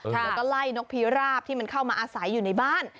แล้วก็ไล่นกพีราบที่มันเข้ามาอาศัยอยู่ในบ้าน